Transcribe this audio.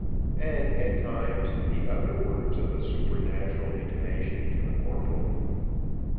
_" and, at times, the other words of the supernatural intimation to the corporal.